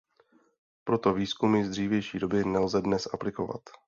Proto výzkumy z dřívější doby nelze dnes aplikovat.